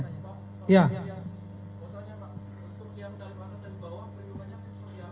masalahnya pak untuk siapkan tarif atas dari bawah